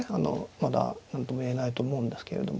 まだ何とも言えないと思うんですけれども。